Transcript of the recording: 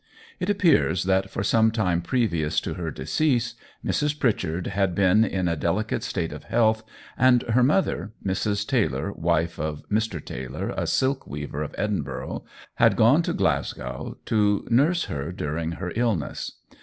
It appears that for some time previous to her decease, Mrs. Pritchard had been in a delicate state of heath, and her mother, Mrs. Taylor, wife of Mr. Taylor, a silk weaver of Edinburgh, had gone to Glasgow to nurse her during her illness.